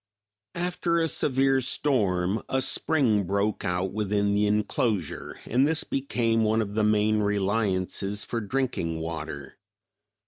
=After a severe storm a spring broke out within the inclosure, and this became one of the main reliances for drinking water.